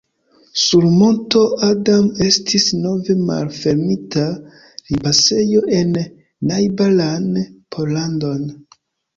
Sur monto Adam estis nove malfermita limpasejo en najbaran Pollandon.